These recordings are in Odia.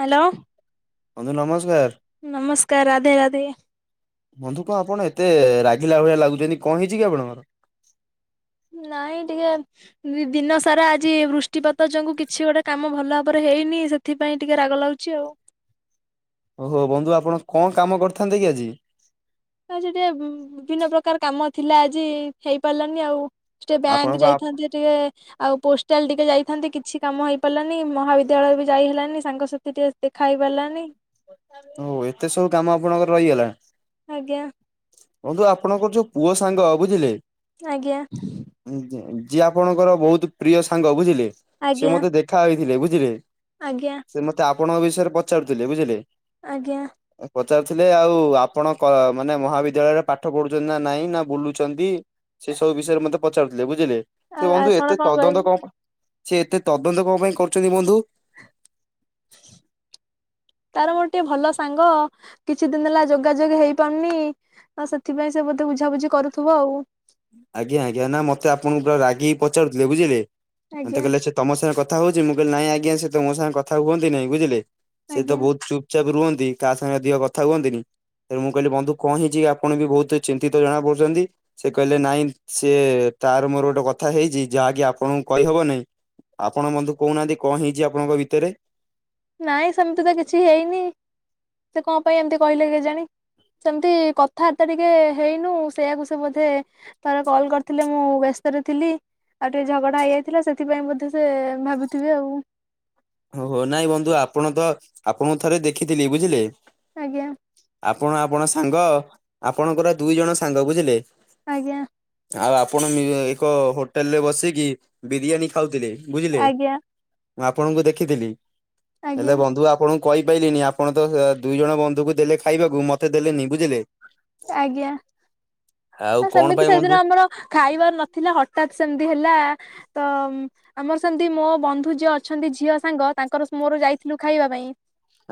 ହାଲୋ। ବନ୍ଧୁ ନମସ୍କାର। ନମସ୍କାର ରାଧେ ରାଧେ। ବନ୍ଧୁ କଁ ଆପଣ ଏତେ ରାଗିଲା ଭଳିଆ ଲାଗୁଛନ୍ତି କଁ ହେଇଛି କି ଆପଣଙ୍କର। ନାଇଁ ଟିକେ। ଦି ଦିନ ସାରା ଆଜି ବୃଷ୍ଟିପାତ ଯୋଗୁଁ କିଛି ଗୋଟେ କାମ ଭଲ ଭାବରେ ହେଇନି ସେଥି। ଥି ପାଇଁ ଟିକେ ରାଗ ଲାଗୁଛି ଆଉ। ଓହୋ ବନ୍ଧୁ ଆପଣ କଁ କାମ କରିଥାନ୍ତେ କି ଆଜି। ଆଜି ଟିକେ ଉଁ ବିଭିନ୍ନ ପ୍ରକାର କାମ ଥିଲା ଆଜି ହେଇ ପାରିଲାନି ଆଉ। ଟିକେ ବ୍ୟାଙ୍କ ଆପଣଙ୍କ ଯାଇ ଆପ ଥାନ୍ତି ଟିକେ। ଆଉ ପୋଷ୍ଟାଲ ଟିକେ ଯାଇଥାନ୍ତି। କିଛି କାମ ହେଇପାରିଲାନି ମହାବିଦ୍ୟାଳୟ ବି ଯାଇ ହେଲାନି ସାଙ୍ଗସାଥି ଟିକେ ସେ ଖାଇ ପାରିଲାନି ହଉ ଏତେ ସବୁ କାମ ଆପଣଙ୍କର ରହିଗଲା? ଆଜ୍ଞା। ବନ୍ଧୁ ଆପଣଙ୍କର ଯୋଉ ପୁଅ ସାଙ୍ଗ ବୁଝିଲେ? ଆଜ୍ଞା। ଯିଏ ଆପଣଙ୍କର ବହୁତ ପ୍ରିୟ ସାଙ୍ଗ ବୁଝିଲେ। ସିଏ ଆଜ୍ଞା ମତେ ଦେଖ ଖା ହୋଇଥିଲେ ବୁଝିଲେ? ଆଜ୍ଞା। ସେ ମତେ ଆପଣଙ୍କ ବିଷୟରେ ପଚାରୁଥିଲେ ବୁଝିଲେ? ଆଜ୍ଞା। ପଚାରୁଥିଲେ। ଆଉ ଆପଣ ମାନେ ମହାବିଦ୍ୟାଳୟରେ ପାଠ ପଢୁଛନ୍ତି ନା ନାଇଁ, ନା ବୁଲୁଛନ୍ତି ସେ ସବୁ ବିଷୟରେ ମତେ ପଚାରୁଥିଲେ ବୁଝିଲେ? ଆଉ ସେ ବନ୍ଧୁ ଆପଣ ଏତେ କଣ କହିଲେ? ତଦନ୍ତ କଣ ପାଇଁ ସେ ଏତେ ତଦନ୍ତ କଣ ପାଇଁ କରୁଛନ୍ତି ବନ୍ଧୁ? [inaudible] ତାର ମୋର ଟିକେ ଭଲ ସାଙ୍ଗ। କିଛି ଦିନ ହେଲା ଯୋଗାଯୋଗ ହେଇପାରୁନି? ଆଉ ସେଥିପାଇଁ ସେ ବୋଧେ ବୁଝାବୁଝି କରୁଥିବ ଆଉ ଆଜ୍ଞା ଆଜ୍ଞା ନା ମତେ ଆପଣ ପୁରା ରାଗିକି ପଚାରୁଥିଲେ ବୁଝିଲେ ମତେ ଆଜ୍ଞା କହିଲେ ସେ ତମ ସାଙ୍ଗେ କଥା ହଉଛି। ମୁଁ କହିଲି ନାଇଁ ଆଜ୍ଞା ସେ ତ ମୋ ସାଙ୍ଗ କଥା ହୁଅନ୍ତି ନାଇଁ ବୁଝିଲେ ସିଏ ତ ଆଜ୍ଞା ବହୁତ ଚୁପ ଚୁପଚାପ ରୁହନ୍ତି। କାହା ସାଙ୍ଗେ ଅଧିକା କଥା ହୁଅନ୍ତିନି। ମୁଁ କହିଲି ବନ୍ଧୁ କଣ ହେଇଛିି ଆପଣ ବି ବହୁତ ଚିନ୍ତିତ ଜଣାପଡୁଛନ୍ତି? ସେ କହିଲେ। ନାଇଁ ସିଏ ତାର ମୋର ଗୋଟେ କଥା ହେଇଛି, ଯାହାକି ଆପଣଙ୍କୁ କହିହବ ନାହିଁ? ଆପଣ ବନ୍ଧୁ କହୁନାହାନ୍ତି। କଣ ହେଇଛି ଆପଣଙ୍କ ଭିତରେ? ନାଇଁ ସେମିତି ତ କିଛି ହେଇନି ସେ କଣ ପାଇଁ ଏମିତି କହିଲେ କେଜାଣି? ସେମିତି କଥାବାର୍ତ୍ତା ଟିକେ ହେଇନୁ ସେଇୟାକୁ ସେ ବୋଧେ ଥରେ କଲ କରିଥିଲେ। ମୁଁ ବ୍ୟସ୍ତରେ ଥିଲି। ଆଉ ଟିକେ ଝଗଡ଼ା ହେଇଯାଇଥିଲା। ସେଥିପାଇଁ ବୋଧେ ସେ ଭାବୁଥିବେ ଆଉ ଓହୋ। ନାଇଁ ବନ୍ଧୁ ଆପଣ ତ ଆପଣଙ୍କୁ ଥରେ ଦେଖିଥିଲି ବୁଝିଲେ? ଆଜ୍ଞା। ଆପଣ ଆପଣ ସାଙ୍ଗ। ଆପଣଙ୍କର ଦୁଇ ଜଣ ସାଙ୍ଗ ବୁଝିଲେ? ଆଜ୍ଞା। ଆଉ ଆପଣ ଏକ ହୋଟେଲରେ ବସିକି ବିରିୟାନୀ ଖାଉଥିଲେ ବୁଝିଲେ ଆଜ୍ଞା ମୁଁ ଆପଣଙ୍କୁ ଦେଖିଥିଲି। ହେଲେ ଆଜ୍ଞା ବନ୍ଧୁ ଆପଣଙ୍କୁ କହିପାରିଲିନି। ଆପଣ ତ ଦୁଇ ଜଣ ବନ୍ଧୁକୁ ଦେଲେ ଖାଇବାକୁ ମତେ ଦେଲେନି ବୁଝିଲେ? ଆଜ୍ଞା ଆଉ ଆ କଣ ସେମିତି ପାଇଁ ସେଦିନ ବନ୍ଧୁ ଆମର ଖାଇବାର ନଥିଲା ହଠାତ ସେମିତି ହେଲା। ତ ଆମର ସେମିତି ମୋ ବନ୍ଧୁ ଯିଅ ଅଛନ୍ତି। ଝିଅ ସାଙ୍ଗ ତାଙ୍କର ମୋର ଯାଇଥିଲୁ ଖାଇବା ପାଇଁ।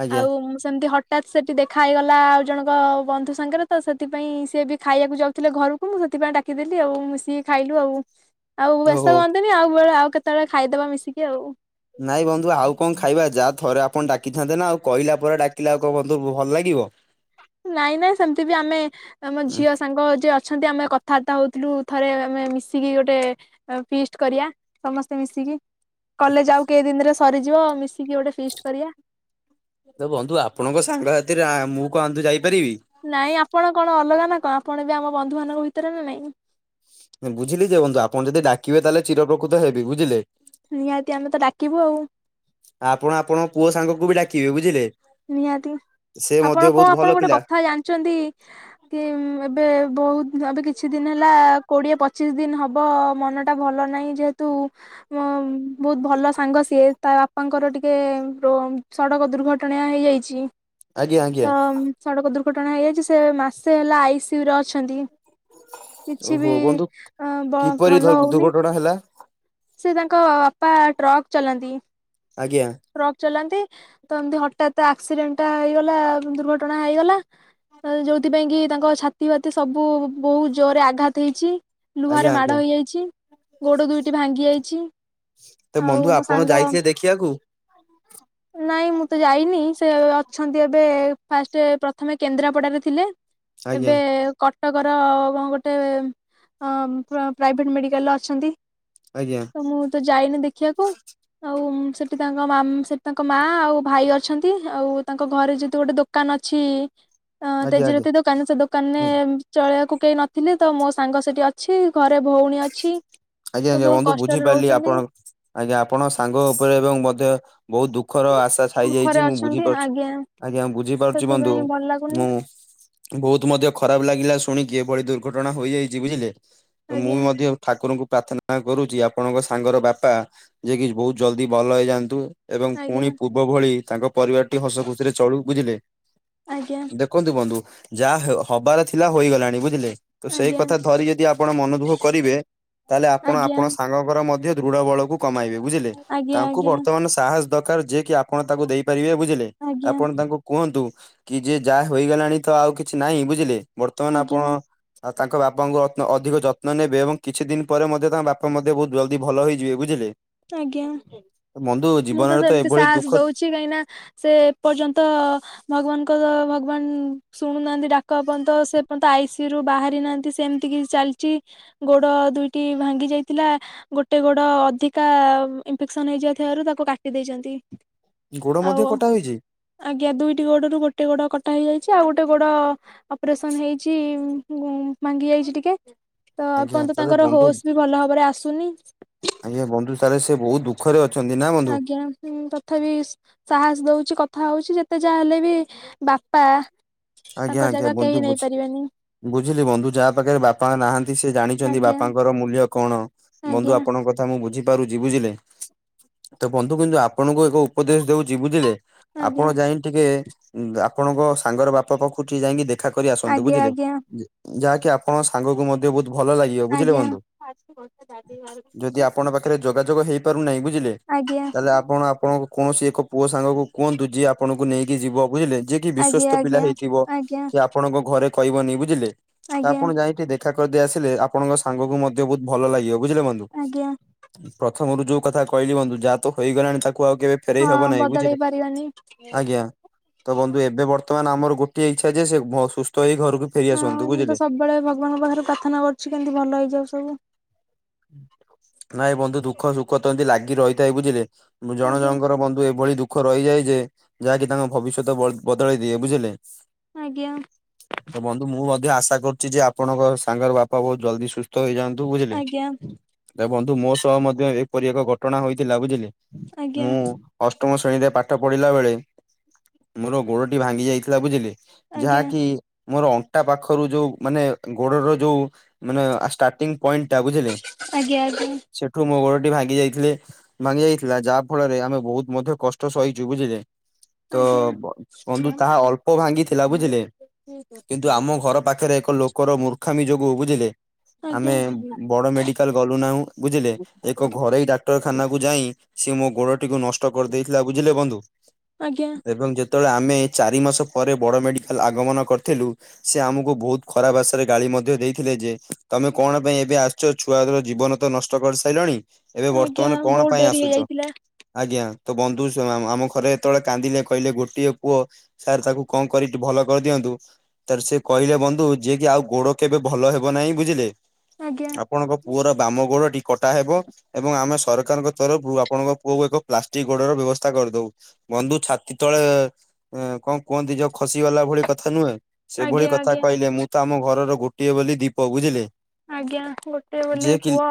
ଆଜ୍ଞା ଆଉ ସେମିତି ହଠାତ୍ ସେଠି ଦେଖା ହେଇଗଲା। ଆଉ ଜଣଙ୍କ ବନ୍ଧୁ ସାଙ୍ଗରେ ତ ସେଥିପାଇଁ ସିଏ ବି ଖାଇବାକୁ ଯାଉଥିଲେ ଘରକୁ। ମୁଁ, ସେଥିପାଇଁ ଡାକିଦେଲି ଆଉ ମିଶିକି ଖାଇଲୁ ଆଉ ଆଉ ବେସ୍ତ ଓହୋ ହୁଅନ୍ତୁନି ଆଉ ବେଳେ ଆଉ କେତେବେଳେ ଖାଇଦବା ମିଶିକି ଆଉ ନାଇଁ ବନ୍ଧୁ ଆଉ କଣ ଖାଇବା ଯାହା ଥରେ ଆପଣ ଡାକିଥାନ୍ତେ ନା ଆଉ କହିଲା ପରେ ଡାକିଲେ ଆଉ କଣ ବନ୍ଧୁ ଭଲ ଲାଗିବ? ନାଇଁ ନାଇଁ ସେମତି ବି ଆମେ ଆମ ଝିଅ ସାଙ୍ଗ ଯିଏ ଅଛନ୍ତି ଆମେ କଥାବାର୍ତ୍ତା ହଉଥିଲୁ ଥରେ ଆମେ ମିଶିକି ଗୋଟେ ପିଷ୍ଟ କରିବା ସମସ୍ତେ ମିଶିକି କଲେଜ ଆଉ କେଇ ଦିନରେ ସରିଯିବ ମିଶିକି ଗୋଟେ ଫିଷ୍ଟ କରିବା ତ ବନ୍ଧୁ ଆପଣଙ୍କ ସାଙ୍ଗ ସାଥିରେ ମୁଁ କୁଆନ୍ତୁ ଯାଇପାରିବି ନାଇଁ ଆପଣ କଣ ଅଲଗା ନା କଣ ଆପଣ ଏ ବି ଆମ ବନ୍ଧୁ ମାନଙ୍କ ଭିତରେ ନା ନାଇଁ ବୁଝିଲି ଯେ ବନ୍ଧୁ ଆପଣ ଯଦି ଡାକିବେ ତାଲେ ଚିରାଉପକୃତ ହେବି ବୁଝିଲେ ନିହାତି ଆମେ ତ ଡାକିବୁ ଆଉ ଆପଣ ଆପଣଙ୍କ ପୁଅ ସାଙ୍ଗକୁ ବି ଡାକିବେ ବୁଝିଲେ ନିହାତି ସେ ମଧ୍ୟ ଆପଣ କଣ ବହୁତ ଭଲ ଆପଣ ଗୋଟେ ପିଲା କଥା ଜାଣିଛନ୍ତି କି ଏବେ ବହୁତ ଏବେ କିଛି ଦିନ ହେଲା କୋଡିଏ ପଚିଶ ଦିନ ହବ ମନ ଟା ଭଲ ନାହିଁ ଯେହେତ ତୁ ମ ଉଁ ବହୁତ ଭଲ ସାଙ୍ଗ ସିଏ ତା ବାପାଙ୍କର ଟିକେ ସଡ଼କ ଦୁର୍ଘଟଣା ହେଇଯାଇଛି ଆଜ୍ଞା ତ ଆଜ୍ଞା ସଡ଼କ ଦୁର୍ଘଟଣା ହେଇଯାଇଛି ସେ ମାସେ ହେଲା ଆଇସିୟୁରେ ଅଛନ୍ତି କିଛି ବି ଓହୋ ଅ ଭଲ ହଉନି କଣ ହେଲା ସେ ତାଙ୍କ ବାପା ଟ୍ରକ୍ ଚଲାନ୍ତି ଆଜ୍ଞା ଟ୍ରକ୍ ଚଲାନ୍ତି ତ ଏମତି ହଠାତ ଆକ୍ସିଡେଣ୍ଟ ଟା ହେଇଗଲା ଦୁର୍ଘଟଣା ହେଇଗଲା। ଯୋଉଥିପାଇଁ କି ତାଙ୍କ ଛାତି ବାତି ସବୁ ବହୁତ ଜୋରରେ ଆଘାତ ହେଇଛି। ଆଜ୍ଞା ଲୁହାରେ ଆଜ୍ଞା ମାଡ଼ ହୋଇଯାଇଛି ଗୋଡ଼ ଦୁଇଟି ଭାଙ୍ଗି ଯାଇଛି ତ ଆଉ ବନ୍ଧୁ ମୋ ଆପଣ ସାଙ୍ଗ ଯାଇଥିଲେ ଦେଖିବାକୁ ନାଇଁ ମୁଁ ତ ଯାଇନି ସେ ଅଛନ୍ତି ଏବେ ଫାଷ୍ଟ ପ୍ରଥମେ କେନ୍ଦ୍ରାପଡାରେ ଥିଲେ ଏବେ ଆଜ୍ଞା କ କଟକର କଣ ଗୋଟେ ପ୍ରାଇଭେଟ୍ ମେଡିକାଲରେ ଅଛନ୍ତି। ଆଜ୍ଞା ତ ମୁଁ ତ ଯାଇନି ଦେଖିବାକୁ ଆଉ ସେ ସେଠି ତାଙ୍କ ମା ସେଠି ତାଙ୍କ ମା ଆଉ ଭାଇ ଅଛନ୍ତି ଆଉ ତାଙ୍କ ଘରେ ଯଦି ଗୋଟେ ଦୋକାନ ଅଛି ଅ ଆଜ୍ଞା ଆଜ୍ଞା ତଜିରତି ଦୋକାନ ସେ ଦୋକାନରେ ହୁଁ ଚଳେଇିବାକୁ କେହି ନଥିଲେ ତ ମୋ ସାଙ୍ଗ ସେଠି ଅଛି ଘରେ ଭଉଣୀ ଅଛି। ଆଜ୍ଞା ତ ଆଜ୍ଞା ବହୁତ ବନ୍ଧୁ କଷ୍ଟରେ ବୁଝିପାରିଲି ରହୁଛନ୍ତି ଆପଣ ଆଜ୍ଞା ଆପଣ ସାଙ୍ଗ ଉପରେ ଏବଂ ମଧ୍ୟ ବହୁତ ଦୁଃଖର ଆଶା ଛାଇ ଦୁଃଖରେ ଯାଇଛି ମୁଁ ଅଛନ୍ତି ବୁଝିପାରୁଛି ଆଜ୍ଞା ଆଜ୍ଞା ବୁଝିପାରୁଛି ବନ୍ଧୁ ସେଥିପାଇଁ ଭଲ ଲାଗୁନି ମୁଁ ବହୁତ ମଧ୍ୟ ଖରାପ ଲାଗିଲା ଶୁଣିକି ଏଭଳି ଦୁର୍ଘଟଣା ହୋଇଯାଇଛି ବୁଝିଲେ ତ ମୁଁ ଆଜ୍ଞା ବି ମଧ୍ୟ ଠାକୁରଙ୍କୁ ପ୍ରାର୍ଥନା କରୁଛି ଆପଣଙ୍କ ସାଙ୍ଗର ବାପା ଯ କି ବହୁତ ଜଲଦି ଭଲ ହେଇଯାଆନ୍ତୁ ଏବଂ ପୁଣି ଆଜ୍ଞା ପୂର୍ବ ଭଳି ତାଙ୍କ ପରିବାରଟି ହସ ଖୁସିରେ ଚଳୁ ବୁଝିଲେ ଆଜ୍ଞା ରଖନ୍ତୁ ବନ୍ଧୁ ଯାହା ହବାର ଥିଲା ହୋଇଗଲାଣି ବୁଝିଲେ ତ ସେଇ ଆଜ୍ଞା କଥା ଧରି ଯଦି ଆପଣ ମନ ଦୁଃଖ କରିବେ ତାହେଲେ ଆପଣ ଆଜ୍ଞା ଆପଣ ସାଙ୍ଗଙ୍କର ମଧ୍ୟ ଦୃଢ ବଳକୁ କମାଇବେ ବୁଝିଲେ ଆଜ୍ଞା ଆଜ୍ଞା ତାଙ୍କୁ ବର୍ତ୍ତମାନ ସାହସ ଦରକାର ଯିଏ କିି ଆପଣ ତାଙ୍କୁ ଦେଇପାରିବେ ବୁଝିଲେ ଆଜ୍ଞା ଆପଣ ତାଙ୍କୁ କୁହନ୍ତୁ କି ଯେ ଯାହା ହେଇଗଲାଣି ତ ଆଉ କିଛି ନାହିଁ ବୁଝିଲେ ବର୍ତ୍ତମାନ ଆଜ୍ଞା ଆପଣ ଆଉ ତାଙ୍କ ବାପାଙ୍କୁ ଅଧିକ ଯତ୍ନ ନେବେ ଏବଂ କିଛି ଦିନ ପରେ ମଧ୍ୟ ତାଙ୍କ ବାପା ମଧ୍ୟ ବହୁତ ଜଲଦି ଭଲ ହେଇଯିବେ ବୁଝିଲେ ଆଜ୍ଞା ବନ୍ଧୁ ମୁଁ ତ ଜୀବନରେ ସେମିତି ଏଭଳି ସାହସ ଦୁଃଖ ଦଉଛି କାହିଁକି ନା ସେ ଏ ପର୍ଯ୍ୟନ୍ତ ଭଗବାନଙ୍କ ଦ ଭଗବାନ ଶୁଣୁନାହାନ୍ତି ଡାକ ଏ ପର୍ଯ୍ୟନ୍ତ ସେ ପର୍ଯ୍ୟନ୍ତ ଆଇସିୟୁ ରୁ ବାହାରି ନାହାନ୍ତି ସେମିତି କି ଚାଲିଛି ଗୋଡ ଦୁଇଟି ଭାଙ୍ଗି ଯାଇଥିଲା ଗୋଟେ ଗୋଡ ଅଧି ତା ଇନ୍ଫେକ୍ସନ୍ ହେଇଯାଇଥିବାରୁ ତାକୁ କାଟି ଦେଇଚନ୍ତି। ଗୋଡ଼ ମଧ୍ୟ କଟା ହୋଇଚି? ଆଜ୍ଞା ଦୁଇଟି ଗୋଡରୁୁ ଗୋଟେ ଗୋଡ କଟା ହେଇଯାଇଚି, ଆଉ ଗୋଟେ ଗୋଡ ଅପରେସନ୍ ହେଇଛି ଭାଙ୍ଗି ଯାଇଚି ଟିକେ। ତ ଆଜ୍ଞା ଏପର୍ଯ୍ୟନ୍ତ ତାହେଲେ ତାଙ୍କର ବନ୍ଧୁ ହୋସ୍ ବି ଭଲ ଭାବରେ ଆସୁନି। ଆଜ୍ଞା ବଧୁ [unintelligible] ସେ ବହୁ ଦୁଃ ସୁଖରେ ଅଛନ୍ତି ନା ବନ୍ଧୁ? ଆଜ୍ଞା ହୁଁ ତଥାପି ସି ସାହସ ଦଉଛି କଥା ହଉଛି ଯେତେ ଯାହା ହେଲେ ବି ବାପା ଆଜ୍ଞା ତାଙ୍କ ଆଜ୍ଞା ଜାଗା କେହି ବନ୍ଧୁ ନେଇ ବୁଝୁ ପାରିବେନି ବୁଝିଲି ବନ୍ଧୁ ଯାହା ପାଖରେ ବାପା ନାହାନ୍ତି ସେ ଜାଣିଛନ୍ତି ଆଜ୍ଞା ବାପାଙ୍କର ମୂଲ୍ୟ କଣ। ବନ୍ଧୁ ଆଜ୍ଞା ଆପଣଙ୍କ କ ଥା ମୁଁ ବୁଝିପାରୁଛି ବୁଝିଲେ ତ ବନ୍ଧୁ କିନ୍ତୁ ଆପଣଙ୍କୁ ଏକ ଉପଦେଶ ଦଉଛି ବୁଝିଲେ ଆପଣ ଆଜ୍ଞା ଯାଇ ଟିକେ ଆପଣଙ୍କ ସାଙ୍ଗ ପାଖୁ ଟିକେ ଯାଇକି ଦେଖା କରି ଆସନ୍ତୁ ଆଜ୍ଞା ବୁଝିଲେ ଆଜ୍ଞା ଯାହାକି ଆପଣ ସାଙ୍ଗକୁ ମଧ୍ ଯେ ବହୁତ ଭଲ ଲାଗିବ ବୁଝିଲେ ଆଜ୍ଞା। ବନ୍ଧୁ ଯଦି ଆପ ଆପଣଙ୍କ ପାଖରେ ଯୋଗାଯୋଗ ହେଇପାରୁନାହିଁ ବୁଝିଲେ ଆଜ୍ଞା ଆଜ୍ଞା ତାହେଲେ ଆପଣ ଆପଣ କୌଣସି ଏକ ପୁଅ ସାଙ୍ଗ କୁ କୁହନ୍ତୁ ଯିଏ ଆପଣଙ୍କୁ ନେଇକି ଯିବ ବୁଝିଲେ ଯିଏ କି ବିଶ୍ୱସ୍ତ ପିଲା ଆଜ୍ଞା ହେଇ ଵ ଆଜ୍ଞା କି ଆପଣଙ୍କ ଘରେ କହିବନି ବୁଝିଲେ ତ ଆଜ୍ଞା ଆପଣ ଯାଇକି ଦେଖ ଦେଖା କରିଦେଇ ଆସିଲେ ଆପଣଙ୍କ ସାଙ୍ଗକୁ ମଧ୍ୟ ବହୁତ ଭଲ ଲାଗିବ ବୁଝିଲେ ବନ୍ଧୁ। ଆଜ୍ଞା ପ୍ରଥମରୁ ଯୋଉ କଥା କହିଲି ବନ୍ଧୁ ଯାହା ତ ହେଇଗଲାଣି ତାକୁ ଆଉ କେବେ ଫେରେଇ ହଁ ହବ ନାଇଁ ବଦଳେଇ ବୁଝିଲେ ପାରିବାନି। ଆଜ୍ଞା। ତ ବନ୍ଧୁ ଏବେ ବର୍ତ୍ତମାନ ଆମର ଗୋଟିଏ ଇଚ୍ଛା ଯେ ସେ ଭ ସୁସ୍ଥ ହେଇ ଘରକୁ ଫେରି ହଁ ଆସନ୍ତୁ ମୁଁ ତ ବୁଝିଲେ। ସବୁବେଳେ ଭଗବାନଙ୍କ ପାଖରେ ପ୍ରାର୍ଥନା କରୁଛି କେମିତି ଭଲ ହେଇଯାଉ ସବୁ। ନାଇଁ ବନ୍ଧୁ ଦୁଃଖ ସୁଖ ତ ଏମିତି ଲାଗି ରହିଥାଏ ବୁଝିଲେ। ମୁଁ ଜଣ ଆଜ୍ଞା। ଜଣଙ୍କର ବନ୍ଧୁ ଏଭଳି ଦୁଖ ଦୁଃଖ ରହିଯାଏ ଯେ ଯାହାକି ତାଙ୍କ ଭବିଷ୍ୟତ ବ-ବଦଳାଇ ଦିଏ ବୁଝିଲେ। ଆଜ୍ଞା। ତ ବନ୍ଧୁ ମୁଁ ମଧ୍ୟ ଆଶା କରୁଛି ଯେ ଆପଣଙ୍କ ସାଙ୍ଗର ବାପା ବହୁତ ଜଲଦି ସୁସ୍ଥ ହେଇଯାଆନ୍ତୁ ବୁଝିଲେ। ଆଜ୍ଞା ତ ବନ୍ଧୁ ମୋ ସହ ମଧ୍ୟ ଏପରି ଏକ ଘଟଣା ହୋଇଥିଲା ବୁଝିଲେ ଆଜ୍ଞା। ମୁଁ ଅଷ୍ଟମ ଶ୍ରେଣୀରେ ପାଠ ପଢିଲା ବେଳେ ମୋର ଗୋଡଟି ଭାଙ୍ଗି ଯାଇଥିଲା ବୁଝିଲେ। ଯାହା ଆଜ୍ଞା କିି ମୋର ଅଣ୍ଟା ପାଖରୁ ଯୋଉ ମାନେ ଗୋଡର ଯୋଉ ମାନେ ଆ ଷ୍ଟାର୍ଟିଂ ପଏଣ୍ଟ ଟା ବୁଝିଲ ଆଜ୍ଞା ସେଠୁ ମୋ ଗୋଡଟି ଭାଙ୍ଗି ଯାଇଥିଲେ। ଭାଙ୍ଗି ଯାଇଥିଲା ଯାହା ଫଳରେ ଆମେ ବହୁତ ମଧ୍ୟ କଷ୍ଟ ସହିଛୁ ବୁଝିଲେ। ତ ଆଜ୍ଞା ବନ୍ଧୁ ତାହା ଆଜ୍ଞା। ଅଳ୍ପ ଭାଙ୍ଗିଥିଲା ବୁଝିଲେ। କିନ୍ତୁ ଆମ ଆଜ୍ଞା ଘର ପାଖରେ ଏକ ଲୋକର ମୂର୍ଖାମି ଯୋଗୁରୁ ବୁଝିଲେ ଆମେ ବଡ ମେଡିକାଲ ଗଲୁ ନାହିଁ ବୁଝିଲେ ଏକ ଘରୋଇ ଡା ଡାକ୍ତରଖାନାକୁ ଯାଇ ସିଏ ମୋ ଗୋଡଟିକୁ ନଷ୍ଟ କରିଦେଇଥିଲା ବୁଝିଲେ ବନ୍ଧୁ। ଆଜ୍ଞା। ଦେଖନ୍ତୁ ଯେତେବେଳେ ଆମେ ଚାରି ମାସ ପରେ ବଡ଼ ମେଡ଼ିକାଲ ଆଗମନ କରିଥିଲୁ। ସେ ଆମକୁ ବହୁତ ଖରାପ ଭଷାରେ ଗାଳି ମଧ୍ୟ ଦେଇଥିଲେ ଯେ ତମେ କଣ ପାଇଁ ଏ ଏବେ ଆସୁଚ ଛୁଆର ଜୀବନ ତ ନଷ୍ଟ କରିସାରିଲଣି ଏବେ ଆଜ୍ଞା ବର୍ତ୍ତମାନ କଣ ବହୁତ ପାଇଁ ଡେରି ଆସୁଛ ହେଇଯାଇଥିଲା ଆଜ୍ଞା ତ ବନ୍ଧୁ ସେ ଆମ ଘରେ ଯେତେବେଳେ କାନ୍ଦିଲେ କହିଲେ ଗୋଟିଏ ପୁଅ ସାର୍ ତାକୁ କଣ କରିି ଭଲ କରିଦିଅନ୍ତୁ। ତାର ସେ କହିଲେ ବନ୍ଧୁ ଯିଏ କି ଆଉ ଗୋଡ କେବେ ଭଲ ହେବ ନାହିଁ ବୁଝିଲେ। ଆଜ୍ଞା। ଆପଣଙ୍କ ପୁଅର ବାମ ଗୋଡଟି କଟା ହେବ? ଏବଂ ଆମେ ସରକାରଙ୍କ ତରଫରୁ ଆପଣଙ୍କ ପୁଅକୁ ଏକ ପ୍ଲାଷ୍ଟିକ ଗୋଡର ବ୍ୟବସ୍ଥା କରିଦଉ। ବନ୍ଧୁ ଛାତି ତଳେ କଣ କୁହନ୍ତି ଯ ଖସିଗଲା ଭଳି କଥା ନୁହେଁ। ସେଭଳି ଆଜ୍ଞା କଥା ଆଜ୍ଞା କହିଲେ, ମୁଁ ତ ଆମ ଘରର ଗୋଟିଏ ବୋଲି ଦୀପ ବୁଝିଲେ? ଆଜ୍ଞା ଗୋଟେ ବୋଲି ଯିଏ କି ପୁଅ,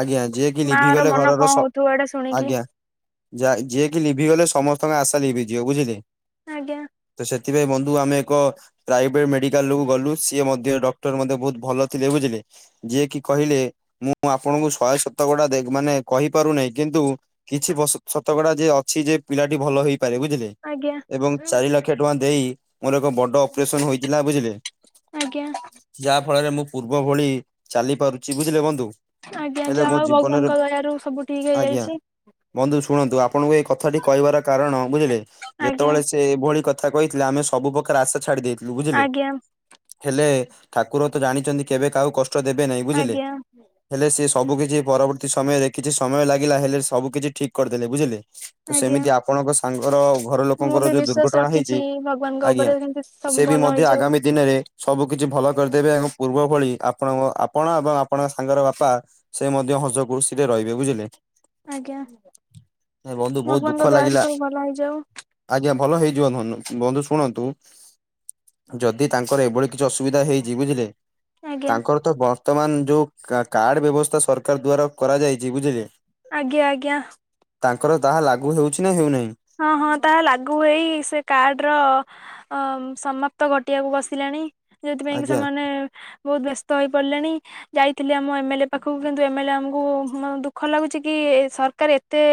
ଆଜ୍ଞା ଯିଏ କି ମା ର ଲିଭିଗଲେ ମନ ଘରର ସ କଣ ହଉଥିବ ଏଇଟା ଶୁଣିକି। ଆଜ୍ଞା ଯା ଯିଏକି ଲିଭିଗଲେ ସମସ୍ତଙ୍କ ଆଶା ଲିଭିଯିବ ବୁଝିଲେ। ଆଜ୍ଞା। ତ ସେଥିପାଇଁ ବନ୍ଧୁ ଆମେ ଏକ ପ୍ରାଇଭେଟ୍ ମେଡିକାଲ୍ କୁ ଗଲୁ, ସିଏ ମଧ୍ୟ ଡକ୍ଟର ମଧ୍ୟ ବହୁତ୍ ଭଲ ଥିଲେ ବୁଝିଲେ। ଯିଏକି କହିଲେ ମୁଁ ଆପଣଙ୍କୁ ଶହେ ସତକଡ଼ା ଦେ ମାନେ କହିପାରୁନାହିଁ, କିନ୍ତୁ କିଛି ବ ଶତକଡା ଯେ ଅଛି ଯେ ପିଲାଟି ଭଲ ହେଇପାରେ ବୁଝିଲେ। ଆଜ୍ଞା ଏବଂ ଚାରି ଲାକ୍ଷେ ଟଙ୍କା ଦେଇ ମୋର ଏକ ବଡ ଅପରେସନ୍ ହୋଇଥିଲା ବୁଝିଲେ। ଆଜ୍ଞା। ଯାହା ଫଳରେ ମୁଁ ପୂର୍ବ ଭଳି ଚାଲି ପାରୁଚି, ବୁଝିଲେ ବନ୍ଧୁ? ଆଜ୍ଞା ହେଲେ ମୋ ଯାହାଉ ଜୀବନରେ ଭଗବାନଙ୍କ ଦୟାରୁୁ ସବୁ ଠିକ୍ ଆଜ୍ଞା ହେଇଯାଇଛି। ବନ୍ଧୁ ଶୁଣନ୍ତୁ ଆପଣଙ୍କୁ ଏଇ କଥାଟି କହିବାର କାରଣ ବୁଝିଲେ, ଆଜ୍ଞା ଯେତବଳେ ସେ ଏଭଳି କଥା କହିଥିଲେ, ଆମେ ସବୁ ପ୍ରକାର ଆଶା ଛାଡି ଦେଇେଇଥିଲୁ ବୁଝିଲେ। ଆଜ୍ଞା ହେଲେ, ଠାକୁର ତ ଜାଣିଚନ୍ତି କେବେ କାହାକୁ କଷ୍ଟ ଦେବେ ନାହିଁ, ବୁଝିଲେ। ଆଜ୍ଞା ହେଲେ ସେ ସବୁକିଛି ପରବର୍ତ୍ତୀ ସମୟରେ କିଛି ସମୟ ଲାଗିଲା ହେଲେ ସବୁ କିଛି ଠିକ୍ କରିଦେଲେ ବୁଝିଲେ। ଆଜ୍ଞା ସେମିତି ଆ ପଣଙ୍କ ସାଙ୍ଗର ଘର ମୁଁ ଲୋକଙ୍କର ବି ଯୋଉ ବିଶ୍ଵାସ ଦୁର୍ଘଟଣା ରଖିଛି ହେଇଚି, ଭଗବାନଙ୍କ ଉପରେ କେମିତି ସବୁ ସେ ବି ଭଲ ମଧ୍ୟ ହେଇଯାଉ ଆଗାମୀ ଦିନରେ ସବୁ କିିଛି ଭଲ କରିଦେବେ ଏବଂ ପୂର୍ବ ଭଳି ଆ ପଣଙ୍କ ଆପଣ ଏବଂ ଆପଣଙ୍କ ସାଙ୍ଗର ବାପା ସେ ମଧ୍ୟ ହସ ଖୁସିରେ ରହିବେ ବୁଝିଲେ। ଆଜ୍ଞା, ନାଇଁ ବନ୍ଧୁ ବହୁତ ଦୁଃଖ ଭଗବାନଙ୍କ ଦୟାରୁ ଲାଗିଲା। ସବୁ ଭଲ ହେଇଯାଉ। ଆଜ୍ଞା, ଭଲ ହେଇଯିବ [unintelligible] ବନ୍ଧୁ ଶୁଣନ୍ତୁ ଯଦି ତାଙ୍କର ଏଭଳି କିଛି ଅସୁବିଧା ହେଇଚି ବୁଝିଲେ। ଆଜ୍ଞା ତାଙ୍କର ତ ବର୍ତ୍ତମାନ୍ ଯୋଉ କାର୍ଡ ବ୍ୟବସ୍ଥା ସରକାର ଦ୍ଵାରା କରାଯାଇଚି ବୁଝିଲେ। ଆଜ୍ଞା-ଆଜ୍ଞା। ତାଙ୍କର ତାହା ଲାଗୁ ହେଉଛି ନା ହେଉନାହିଁ? ହଁ-ହଁ ତାହା ଲାଗୁ ହେଇ ସେ କାର୍ଡ ର ଅ ସମାପ୍ତ ଘଟିବାକୁ ବସିଲାଣି, ଯୋଉଥିପାଇଁ କି ଆଜ୍ଞା। ସେମାନେ ବହୁତ୍ ବ୍ୟସ୍ତ ହେଇପଡିଲେଣି‌। ଯାଇଥିଲେ ଆମ ଏମ୍ ଏଲ୍ ଏ ପାଖୁକୁ, କିନ୍ତୁ ଏମ୍ ଏଲ୍ ଏ ଆମକୁ ଦୁଃଖ ଲାଗୁଚି କି ସରକାର୍ ଏତେ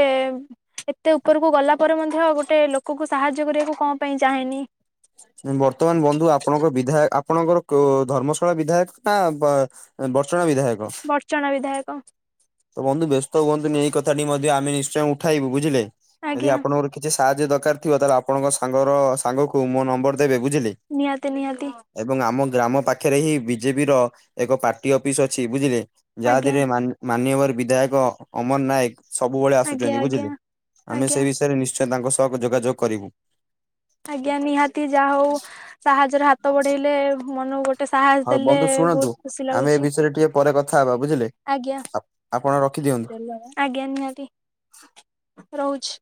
ଏତେ ଉପରକୁ ଗଲା ପରେ ମଧ୍ୟ ଗୋଟେ ଲୋକକୁ ସାହାଯ୍ୟ କରିବାକୁ କଣ ପାଇଁ ଚାହେଁନି? ବର୍ତ୍ତମାନ୍ ବନ୍ଧୁ ଆପଣଙ୍କ ବିଧାୟ ଆପଣଙ୍କର ଧର୍ମଶାଳା ବିଧାୟକ ନା ବ ବର୍ଚଣା ବିଧାୟକ? ବର୍ଚଣା ବିଧାୟକ। ତ ବନ୍ଧୁ ବ୍ୟସ୍ତ ହୁଅନ୍ତୁନି ଏଇ କଥାଟି ମଧ୍ୟ ଆମେ ନିଶ୍ଚୟ ଉଠାଇବୁ ବୁଝିଲେ, ଯଦି ଆଜ୍ଞା ଆପଣଙ୍କର କିଛି ସାହାଯ୍ୟ ଦରକାର ଥିବ ତାହେଲେ ଆପଣଙ୍କ ସାଙ୍ଗର ସାଙ୍ଗକୁ ମୋ ନମ୍ବର୍ ଦେବେ ବୁଝିଲେ। ନିହାତି-ନିହାତି। ଏବଂ ଆମ ଗ୍ରାମ ପାଖରେ ହିଁ ବିଜେପି ର ଏକ ପାର୍ଟି ଅଫିସ ଅଛି ବୁଝିଲେ। ଆଜ୍ଞା ଯାହାଧେରେ ମାନ୍ୟବର ବିଧାୟକ [unintelligible] ନାୟକ ସବୁବେଳେ ଆଜ୍ଞା ଆସୁଛନ୍ତି, ଆଜ୍ଞା ବୁଝିଲେ ଆମେ ଆଜ୍ଞା ସେ ବିଷୟରେ ନିଶ୍ଚୟ ତାଙ୍କ ସହ ଯୋଗାଯୋଗ କରିବୁ। ଆଜ୍ଞା, ନିହାତି ଯା ହଉ ସାହାଯ୍ୟର ହାତ ବଢେଇଲେ ମନ କୁ ଗୋଟେ। ଗୋଟେ ସାହସ ହଉ ଦେଲେ ବନ୍ଧୁ ଶୁଣନ୍ତୁ ବହୁତ ଖୁସି ଆମେ ଏ ଲାଗୁଛି। ବିଷୟରେ ଟିକେ ପରେ କଥା ହେବା ବୁଝିଲେ ଆଜ୍ଞା ଆପ୍ ଆପଣ ରଖିଦିଅନ୍ତୁ। ଆଜ୍ଞା, ନିହାତି ରହୁଛି।